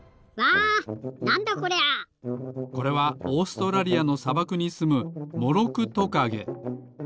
これはオーストラリアのさばくにすむモロクトカゲ。